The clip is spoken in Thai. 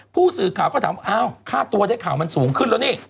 ผู้สื่อข่าวก็ถามอ้าวค่าตัวได้ข่าวมันสูงขึ้นแล้วนี่